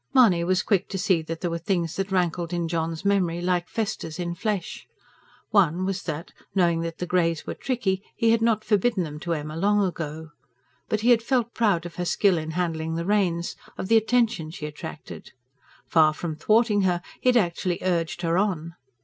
Mahony was quick to see that there were things that rankled in John's memory, like festers in flesh. One was that, knowing the greys were tricky, he had not forbidden them to Emma long ago. But he had felt proud of her skill in handling the reins, of the attention she attracted. Far from thwarting her, he had actually urged her on.